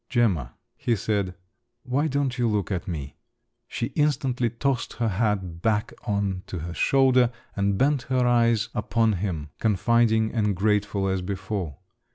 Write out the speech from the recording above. "Gemma," he said, "why don't you look at me?" She instantly tossed her hat back on to her shoulder, and bent her eyes upon him, confiding and grateful as before.